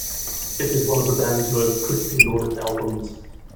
It is one of the band's most critically lauded albums.